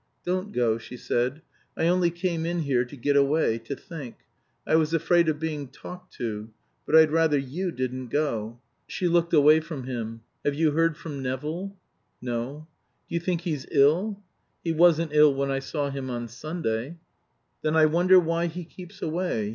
"Don't go," she said. "I only came in here to get away to think. I was afraid of being talked to. But I'd rather you didn't go." She looked away from him. "Have you heard from Nevill?" "No." "Do you think he's ill?" "He wasn't ill when I saw him on Sunday." "Then I wonder why he keeps away.